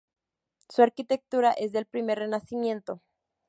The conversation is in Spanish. Su arquitectura es del primer Renacimiento.